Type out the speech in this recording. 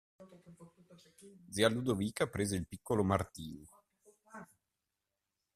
Zia Ludovica prese il piccolo Martino.